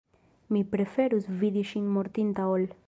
Mi preferus vidi ŝin mortinta ol.